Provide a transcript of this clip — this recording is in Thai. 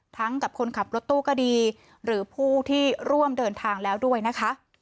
กับคนขับรถตู้ก็ดีหรือผู้ที่ร่วมเดินทางแล้วด้วยนะคะ